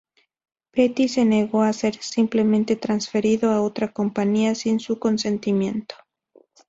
Petty se negó a ser simplemente transferido a otra compañía sin su consentimiento.